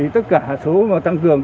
tất cả số tăng cường